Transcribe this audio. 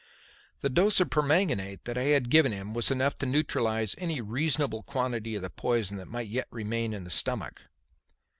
The dose of permanganate that I had given was enough to neutralize any reasonable quantity of the poison that might yet remain in the stomach.